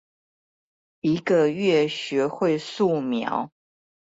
一個月學會素描